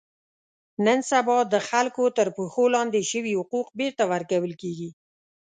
نن سبا د خلکو تر پښو لاندې شوي حقوق بېرته ور کول کېږي.